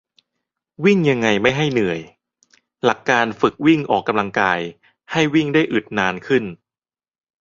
วิ่งยังไงไม่ให้เหนื่อย หลักการฝึกวิ่งออกกำลังกาย ให้วิ่งได้อึดนานขึ้น